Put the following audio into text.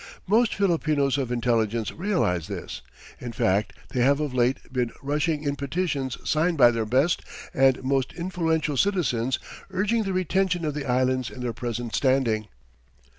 Most Filipinos of intelligence realize this. In fact, they have of late been rushing in petitions signed by their best and most influential citizens urging the retention of the Islands in their present standing.